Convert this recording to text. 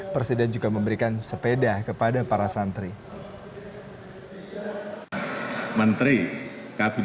presiden juga memberikan sepeda kepada para santri